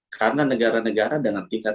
karena negara negara dengan tingkat